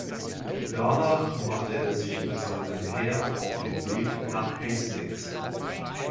Danach machte er sich mit seinem Heer auf den Weg nach Hastings.